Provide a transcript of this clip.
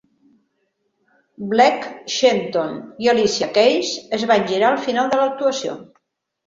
Blake Shelton i Alicia Keys es van girar al final de l'actuació.